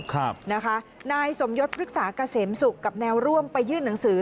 ครับนะคะนายสมยศพฤกษาเกษมศุกร์กับแนวร่วมไปยื่นหนังสือ